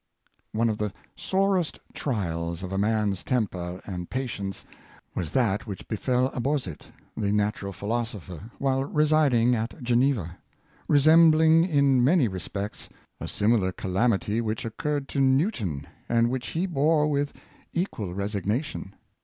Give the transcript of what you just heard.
One of the sorest trials of a man's temper and pa tience was that which befell Abauzit, the natural philos opher, while residing at Geneva — resembling in many respects a similar calamity which occurred to Newton, and which he bore with equal resignation.